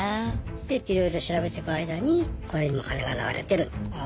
でいろいろ調べてく間にこれにも金が流れてると。